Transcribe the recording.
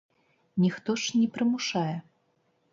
Ніхто ж не прымушае.